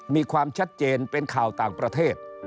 มีความชัดเจนเป็นข่าวต่างประเทศ